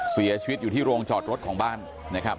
เสียชีวิตอยู่ที่โรงจอดรถของบ้านนะครับ